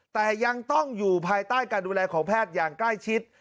แต่ยังต้องอยู่ภายใต้การดูแลของแพทย์อย่างใกล้ชิด